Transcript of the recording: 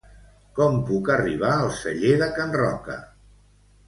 Com puc arribar al Celler de Can Roca?